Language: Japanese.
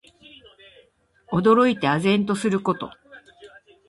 驚いて呆然とすること。